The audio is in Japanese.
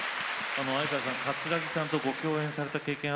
相川さん、葛城さんとご共演された経験が